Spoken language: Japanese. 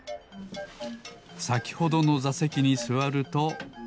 さきほどのざせきにすわると。